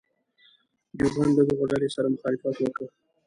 دیوبند له دغو ډلو سره مخالفت وکاوه.